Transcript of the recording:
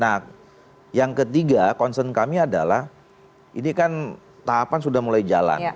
nah yang ketiga concern kami adalah ini kan tahapan sudah mulai jalan